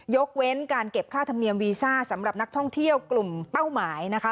ยกเว้นการเก็บค่าธรรมเนียมวีซ่าสำหรับนักท่องเที่ยวกลุ่มเป้าหมายนะคะ